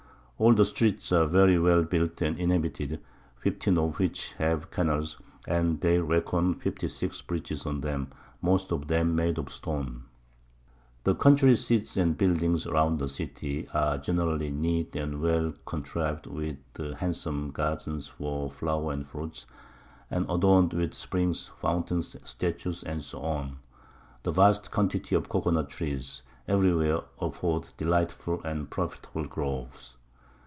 All the Streets are very well built and inhabited, 15 of which have Canals, and they reckon 56 Bridges on them, most of them made of Stone. The Country Seats and Buildings round the City, are generally neat and well contriv'd with handsom Gardens for Fruit and Flowers, and adorn'd with Springs, Fountains, Statues, &c. The vast Quantity of Coco nut Trees, every where afford delightful and profitable Groves.